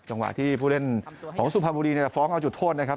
จังหวะที่ผู้เล่นของสุพรรณบุรีฟ้องเอาจุดโทษนะครับ